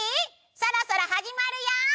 そろそろ始まるよ。